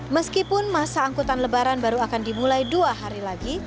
meskipun masa angkutan lebaran baru akan dimulai dua hari lagi